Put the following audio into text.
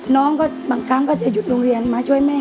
น้องก็บางครั้งก็จะหยุดโรงเรียนมาช่วยแม่